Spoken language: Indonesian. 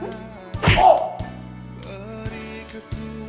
ya iyalah sekali kali kamu bantuin ibu